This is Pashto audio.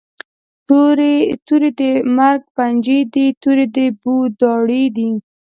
توری د مرګ پنجی دي، توری د بو داړي دي